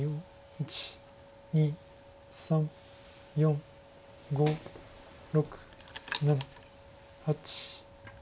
１２３４５６７８。